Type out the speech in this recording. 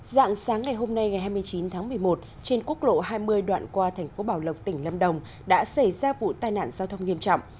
dạng sáng ngày hôm nay ngày hai mươi chín tháng một mươi một trên quốc lộ hai mươi đoạn qua thành phố bảo lộc tỉnh lâm đồng đã xảy ra vụ tai nạn giao thông nghiêm trọng